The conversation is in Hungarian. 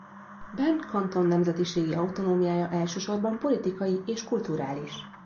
Bern kanton nemzetiségi autonómiája elsősorban politikai és kulturális.